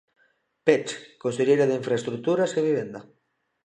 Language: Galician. Peche, conselleira de Infraestruturas e Vivenda.